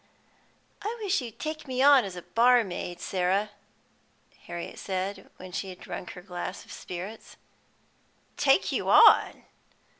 "I wish you'd take me on as barmaid, Sarah," Harriet said, when she had drunk her glass of spirits. "Take you on?"